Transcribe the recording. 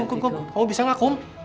kamu bisa gak kum